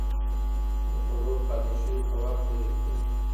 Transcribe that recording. د خوړو پاتې شوني په وخت لرې کړئ.